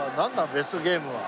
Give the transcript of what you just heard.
ベストゲームは。